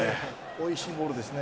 おいしいボールですね